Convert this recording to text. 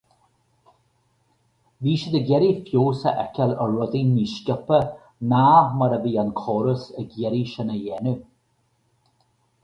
Bhí siad ag iarraidh feabhas a fheiceáil ar rudaí níos sciobtha ná mar a bhí an córas ag iarraidh sin a dhéanamh.